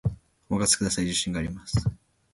お任せください、自信があります